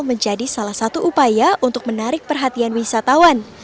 menjadi salah satu upaya untuk menarik perhatian wisatawan